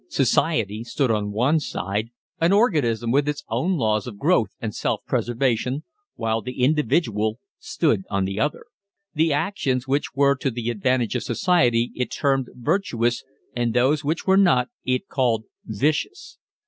Society stood on one side, an organism with its own laws of growth and self preservation, while the individual stood on the other. The actions which were to the advantage of society it termed virtuous and those which were not it called vicious.